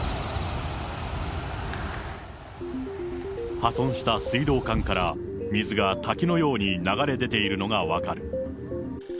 破損した水道管から水が滝のように流れ出ているのが分かる。